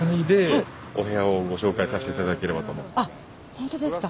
本当ですか。